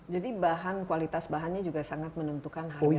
jadi bahan kualitas bahannya juga sangat menentukan harganya ya